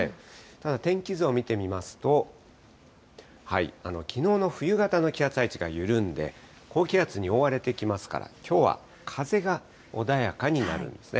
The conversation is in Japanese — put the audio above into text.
ただ、天気図を見てみますと、きのうの冬型の気圧配置が緩んで、高気圧に覆われてきますから、きょうは風が穏やかになるんですね。